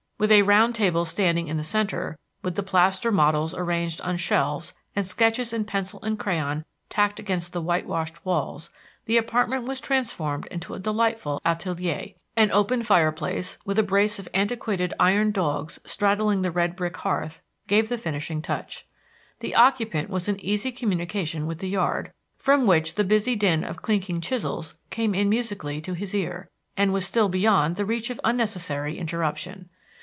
With a round table standing in the center, with the plaster models arranged on shelves and sketches in pencil and crayon tacked against the whitewashed walls, the apartment was transformed into a delightful atelier. An open fire place, with a brace of antiquated iron dogs straddling the red brick hearth, gave the finishing touch. The occupant was in easy communication with the yard, from which the busy din of clinking chisels came musically to his ear, and was still beyond the reach of unnecessary interruption.